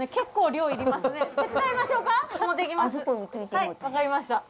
はい分かりました。